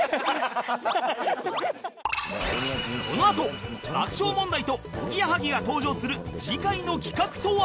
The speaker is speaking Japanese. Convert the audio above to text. このあと爆笑問題とおぎやはぎが登場する次回の企画とは？